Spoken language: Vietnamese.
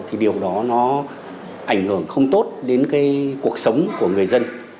thì điều đó nó ảnh hưởng không tốt đến cái cuộc sống của người dân